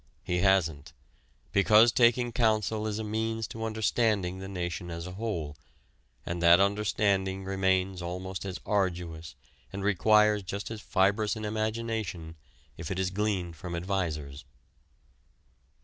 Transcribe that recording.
He hasn't, because taking counsel is a means to understanding the nation as a whole, and that understanding remains almost as arduous and requires just as fibrous an imagination, if it is gleaned from advisers.